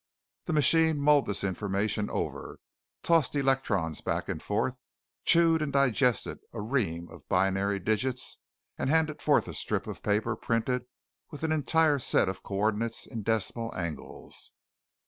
The machine mulled the information over, tossed electrons back and forth, chewed and digested a ream of binary digits, and handed forth a strip of paper printed with an entire set of coordinates in decimal angles.